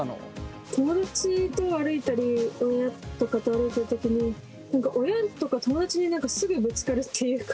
友達と歩いたり親とかと歩いてる時に何か親とか友達にすぐぶつかるっていうか。